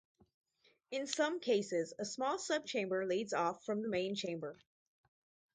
In some cases a small sub chamber leads off from the main chamber.